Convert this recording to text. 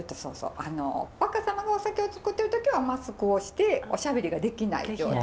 あの若さまがお酒を作っている時はマスクをしておしゃべりができない状態。